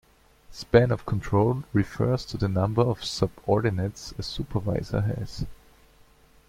Span of control refers to the number of subordinates a supervisor has.